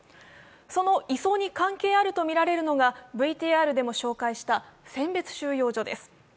その移送に関係あるとみられるのがＶＴＲでも紹介した選別収容所です